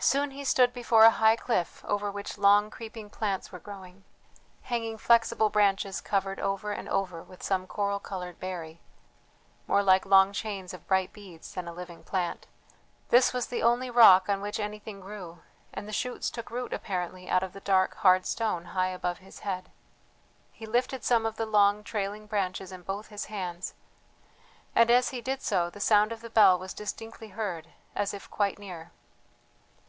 Soon he stood before a high cliff over which long creeping plants were growing, hanging flexible branches covered over and over with some coral coloured berry, more like long chains of bright beads than a living plant. This was the only rock on which anything grew, and the shoots took root apparently out of the dark hard stone high above his head. He lifted some of the long trailing branches in both his hands, and as he did so the sound of the bell was distinctly heard, as if quite near.